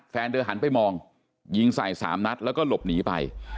แฟนเธอหันไปมองยิงใส่๓นัดแล้วก็หลบหนีไป